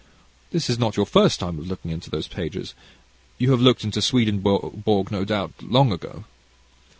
This is not your first time of looking into those pages. You have looked into Swedenborg, no doubt, long ago?"